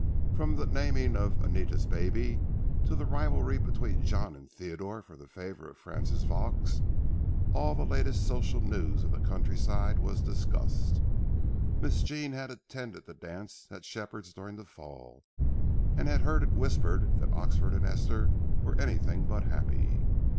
From the naming of Anita's baby to the rivalry between John and Theodore for the favor of Frances Vaux, all the latest social news of the countryside was discussed. Miss Jean had attended the dance at Shepherd's during the fall, and had heard it whispered that Oxenford and Esther were anything but happy.